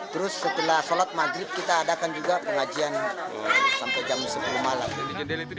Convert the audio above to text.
terus setelah sholat maghrib kita adakan juga pengajian sampai jam sepuluh malam